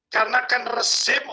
karena kan resim